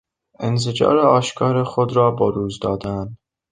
انزجار آشکار خود را بروز دادن